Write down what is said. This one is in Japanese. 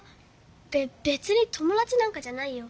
べべつに友だちなんかじゃないよ。